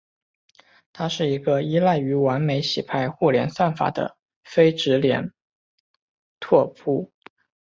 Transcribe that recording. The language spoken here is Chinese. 它是一个依赖于完美洗牌互联算法的非直连拓扑。